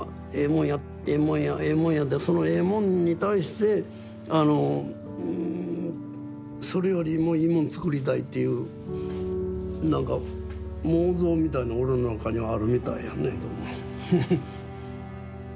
もんやええもんやええもんやってそのええもんに対してそれよりもいいもん作りたいっていうなんか妄想みたいの俺の中にはあるみたいやねどうも。